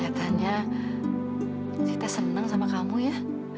lak kelihatannya sita senang sama kamu ya